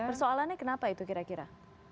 persoalannya kenapa itu kira kira